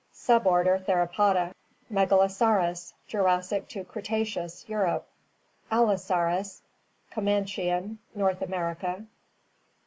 Suborder Theropoda Megalosaurus — Jurassic to Cretaceous; Europe. * AUosaurus — Comanchian; North America.